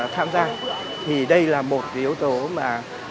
tham gia thì đây là một yếu tố mà